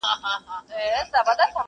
د درد پېټی دي را نیم کړه چي یې واخلم.